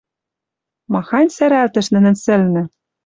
Махань сӓрӓлтӹш нӹнӹн сӹлнӹ?